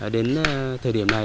đến thời điểm này